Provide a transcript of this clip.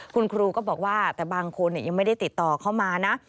คุณครูก็บอกว่าแต่บางคนยังไม่ได้ติดต่อเข้ามานะ